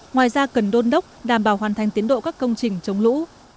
ngoài ra cần đôn đốc đảm bảo hoàn thành tiến độ các công trình chống lũ